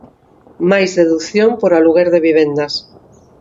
Máis dedución por aluguer de vivendas.